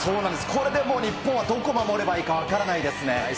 これでもう日本はどこ、守ればいいか分からないですね。